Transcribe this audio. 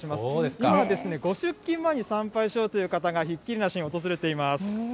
今、ご出勤前に参拝しようという方がひっきりなしに訪れています。